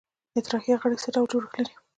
اطراحیه غړي څه ډول جوړښت لري؟